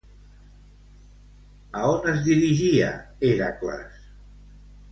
A on es dirigia, Hèracles?